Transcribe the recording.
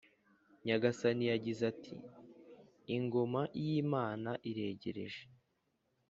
Nyagasani yagize ati ingoma yimana iregreje